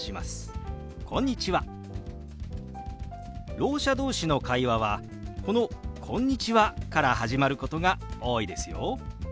ろう者同士の会話はこの「こんにちは」から始まることが多いですよ。